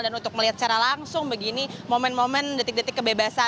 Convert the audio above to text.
dan untuk melihat secara langsung begini momen momen detik detik kebebasan dari